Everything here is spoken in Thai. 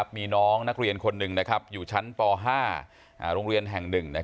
มีน้องนักเรียนคนหนึ่งอยู่ชั้นป๕โรงเรียนแห่ง๑